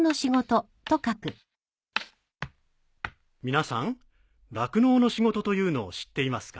皆さん「らくのうの仕事」というのを知っていますか？